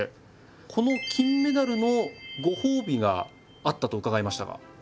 この金メダルのご褒美があったと伺いましたが。